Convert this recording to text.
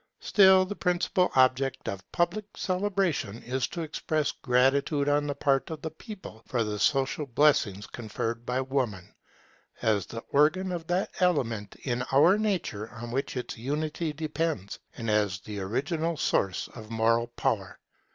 Still the principal object of public celebration is to express gratitude on the part of the people for the social blessings conferred by Woman, as the organ of that element in our nature on which its unity depends, and as the original source of moral power.